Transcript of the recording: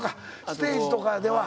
ステージとかでは。